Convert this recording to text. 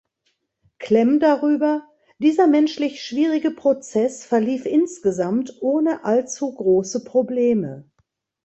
Klemm darüber: "Dieser menschlich schwierige Prozess verlief insgesamt ohne allzu große Probleme".